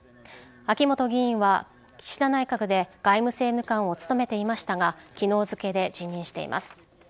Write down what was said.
秋本議員は岸田内閣で外務政務官を務めていましたが昨日付で辞任しています。